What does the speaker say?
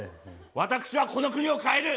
私はこの国を変える！